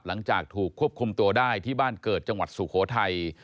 หลังจากถูกควบคุมตัวได้ที่บ้านเกิดจังหวัดสุโขทัย